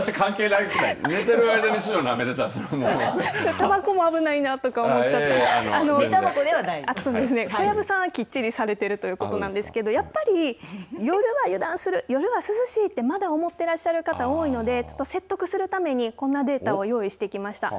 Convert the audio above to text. タバコ危ないな小籔さんはきっちりされているということなんですがやっぱり夜は油断する夜は涼しいってまだ思っている方多いので説得するためにこんなデータを用意してきました。